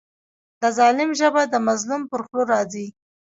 د ظالم ژبه د مظلوم پر خوله راځي.